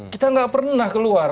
kita nggak pernah keluar